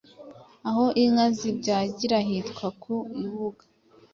Aho inka zibyagira hitwa Ku ibuga